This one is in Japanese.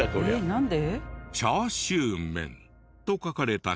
なんで？